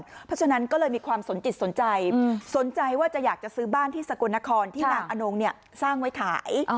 เพราะฉะนั้นก็เลยมีความสนจิตสนใจสนใจว่าจะอยากจะซื้อบ้านที่สกลนครที่นางอนงสร้างไว้ขาย